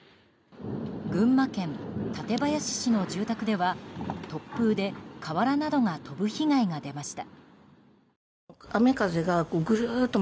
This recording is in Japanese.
群馬県館林市の住宅では突風で瓦などが飛ぶ被害が出ました。